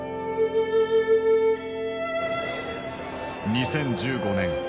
２０１５年。